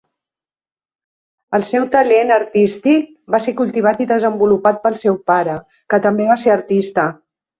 Els seu talent artístic va ser cultivat i desenvolupat pel seu pare, que també va ser artista.